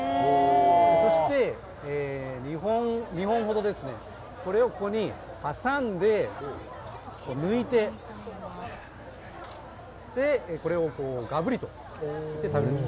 そして、２本ほど、これをここに挟んで抜いてこれをがぶりと食べるんです。